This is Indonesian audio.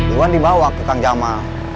iwan dibawa ke kang jamal